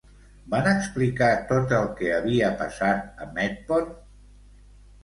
Van explicar tot el que havia passat a Metpont?